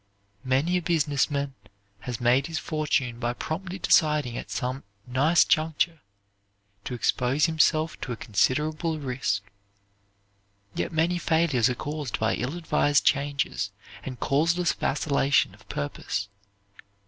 Many a business man has made his fortune by promptly deciding at some nice juncture to expose himself to a considerable risk. Yet many failures are caused by ill advised changes and causeless vacillation of purpose.